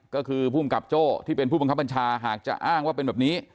ก็คือภูมิกับโจ้ที่เป็นผู้บังคับบัญชาหากจะอ้างว่าเป็นแบบนี้